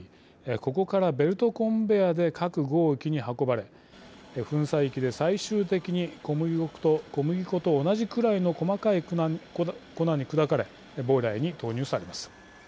ここからベルトコンベアで各号機に運ばれ、粉砕機で最終的に小麦粉と同じくらいの細かい粉に砕かれボイラーに投入されます。